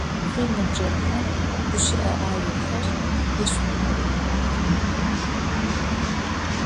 Шъуиныбджэгъухэм гущыӏэ ӏаехэр яшъумыӏу!